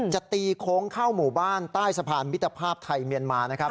จะตีโค้งเข้าหมู่บ้านใต้สะพานมิตรภาพไทยเมียนมานะครับ